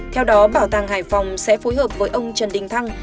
theo đó bảo tàng hải phòng sẽ phối hợp với ông trần đình thăng